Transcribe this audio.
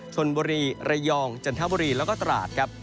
ชนบุรีระยองจันทบุรีแล้วก็ตราดครับ